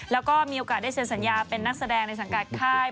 แล้วก็มีโอกาสได้เซ็นสัญญาเป็นนักแสดงในสังกัดค่าย